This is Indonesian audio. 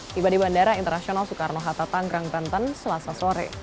tiba di bandara internasional soekarno hatta tanggerang banten selasa sore